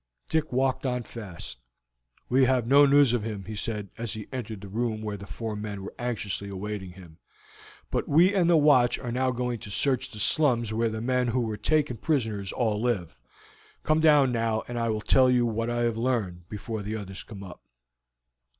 Dick walked on fast. "We have no news of him," he said, as he entered the room where the four men were anxiously awaiting him, "but we and the watch are now going to search the slums where the men who were taken prisoners all live; come down now, and I will tell you what I have learned, before the others come up.